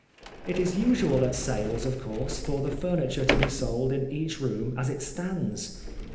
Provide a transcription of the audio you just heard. It is usual at sales, of course, for the furniture to be sold in each room as it stands.